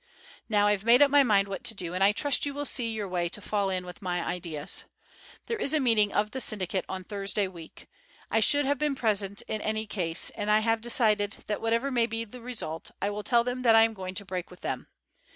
Now I've made up my mind what to do, and I trust you will see your way to fall in with my ideas. There is a meeting of the syndicate on Thursday week. I should have been present in any case, and I have decided that, whatever may be the result, I will tell them I am going to break with them.